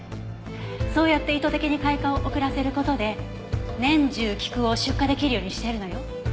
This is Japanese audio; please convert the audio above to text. そうやって意図的に開花を遅らせる事で年中菊を出荷出来るようにしてるのよ。